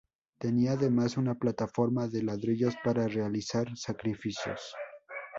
Tenía, además, una plataforma de ladrillos para realizar sacrificios.